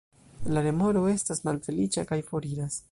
La remoro estas malfeliĉa kaj foriras.